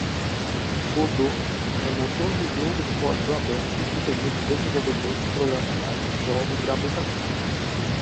Godot é motor de jogo de código aberto que permite desenvolvedores programarem jogos gratuitamente